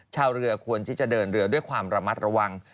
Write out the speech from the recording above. ชาวเรือควรที่จะเดินเรือด้วยความระมัดระวัง